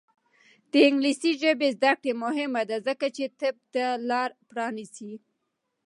د انګلیسي ژبې زده کړه مهمه ده ځکه چې طب ته لاره پرانیزي.